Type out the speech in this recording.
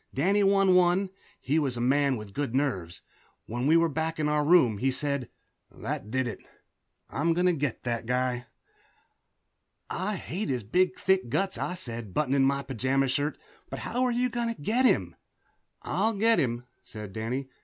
Danny won one; he was a man with good nerves. When we were back in our room he said, "That did it I'm going to get that guy." "I hate his big thick guts," I said, buttoning my pajama shirt, "but how are you going to get him?" "I'll get him," said Danny.